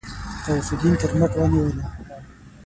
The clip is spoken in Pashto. غوث الدين تر مټ ونيوله.